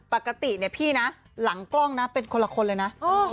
ปกติเนี่ยพี่นะหลังกล้องนะเป็นคนละคนเลยนะ